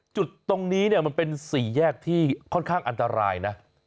จุดตรงนี้เนี่ยมันเป็นสี่แยกที่ค่อนข้างอันตรายนะ